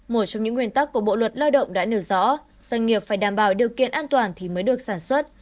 một trong những nguyên tắc của bộ luật lao động đã nêu rõ doanh nghiệp phải đảm bảo điều kiện an toàn thì mới được sản xuất